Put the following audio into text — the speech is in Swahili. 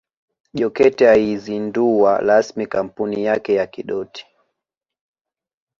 Jokate aizundua rasmi kampuni yake ya Kidoti